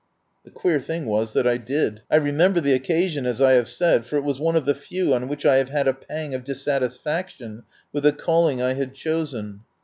The queer thing was that I did. I remem ber the occasion, as I have said, for it was one of the few on which I have had a pang of dissatisfaction with the calling I had chosen.